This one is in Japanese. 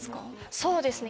そうですね